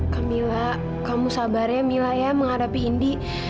kamila kamu sabarnya ya mila ya menghadapi indi